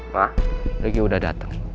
ma dagi udah dateng